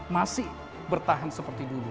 masih bertahan seperti dulu